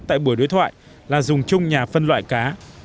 tại buổi đối thoại là dùng chung nhà phân loại cá